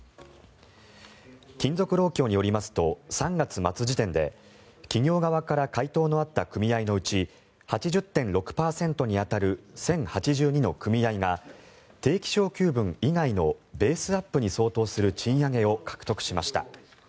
金属労協によりますと３月末時点で企業側から回答のあった組合のうち８０．６％に当たる１０８２の組合が定期昇給分以外のベースアップに相当する賃上げを獲得しました。